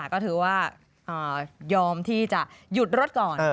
ก็ถือว่ายอมที่จะหยุดรถก่อน